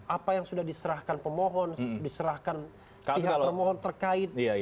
apa yang sudah diserahkan pemohon diserahkan pihak pemohon terkait